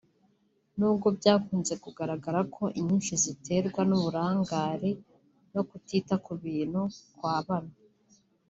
nubwo byakunze kugaragara ko inyinshi ziterwa n’uburangare no kutita ku bintu kwa bamwe